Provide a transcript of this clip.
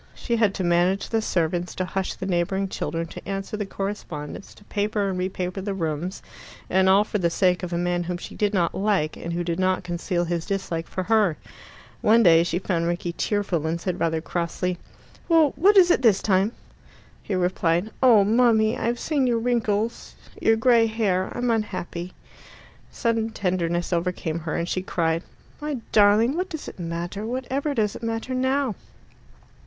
She had to manage the servants, to hush the neighbouring children, to answer the correspondence, to paper and re paper the rooms and all for the sake of a man whom she did not like, and who did not conceal his dislike for her. One day she found Rickie tearful, and said rather crossly, "Well, what is it this time?" He replied, "Oh, mummy, I've seen your wrinkles your grey hair I'm unhappy." Sudden tenderness overcame her, and she cried, "My darling, what does it matter? Whatever does it matter now?"